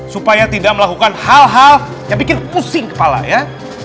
supaya tidak melakukan hal hal yang pikir pusing kepala ya